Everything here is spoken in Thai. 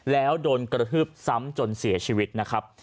แล้วโดนกระทืบซ้ำจนเสียชีวิตนะครับ